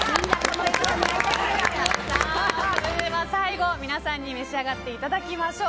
それでは最後、皆さんに召し上がっていきましょう。